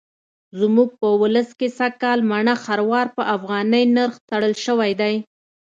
زموږ په ولس کې سږکال مڼه خروار په افغانۍ نرخ تړل شوی دی.